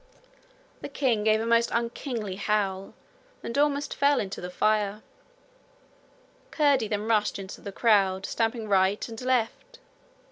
The king gave a most unkingly howl and almost fell into the fire. Curdie then rushed into the crowd, stamping right and left.